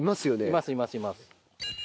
いますいますいます。